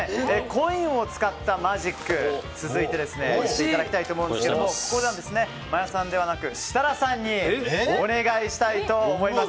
コインを使ったマジックを教えたいただきたいと思うんですが魔耶さんではなく設楽さんにお願いしたいと思います。